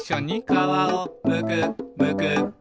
「かわをむくむく」